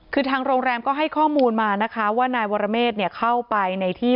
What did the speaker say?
คือทางโรงแรมก็ให้ข้อมูลมานะคะว่านายวรเมฆเข้าไปในที่